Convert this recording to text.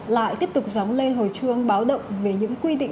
lại tiếp tục gióng lên hồi trường báo động về những quy định